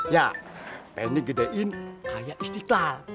ya pengen gedein kayak istiqlal